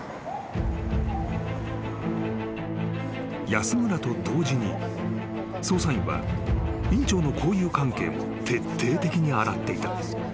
［安村と同時に捜査員は院長の交友関係を徹底的に洗っていた］